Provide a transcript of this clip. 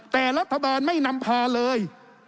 แต่รัฐบาลไม่นำพาเลย